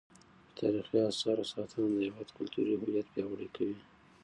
د تاریخي اثارو ساتنه د هیواد کلتوري هویت پیاوړی کوي.